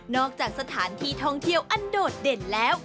จากสถานที่ท่องเที่ยวอันโดดเด่นแล้ว